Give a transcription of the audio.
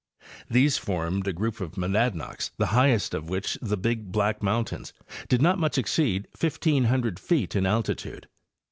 'These formed a group of monad nocks the highest of which, the Big Black mountains, did not much exceed 1,500 feet in altitude.